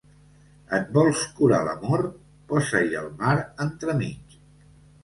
Et vols curar l'amor? Posa-hi el mar entremig.